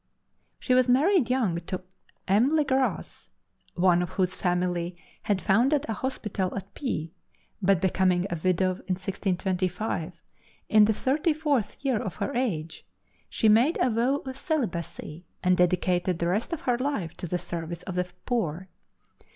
She was married young to M. Le Gras, one of whose family had founded a hospital at Puy, but, becoming a widow in 1625, in the thirty fourth year of her age, she made a vow of celibacy, and dedicated the rest of her life to the service of the poor.